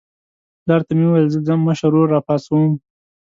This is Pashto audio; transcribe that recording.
پلار ته مې وویل زه ځم مشر ورور راپاڅوم.